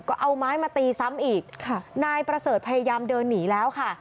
ก็เอาไม้มาตีซ้ำอีกค่ะนายประเสริฐพยายามเดินหนีแล้วค่ะ